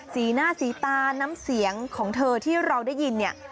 สีหน้าสีตาน้ำเสียงของเธอที่เราได้ยินเนี่ย